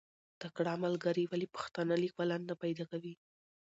تکړه ملګري ولې پښتانه لیکوالان نه پیدا کوي؟